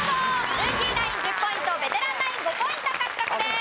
ルーキーナイン１０ポイントベテランナイン５ポイント獲得です。